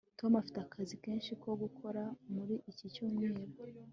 tom afite akazi kenshi ko gukora muri iki cyumweru